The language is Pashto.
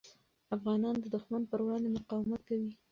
افغانان د دښمن پر وړاندې مقاومت کوي.